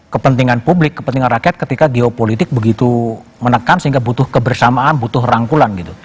kepentingan publik kepentingan rakyat ketika geopolitik begitu menekan sehingga butuh kebersamaan butuh rangkulan gitu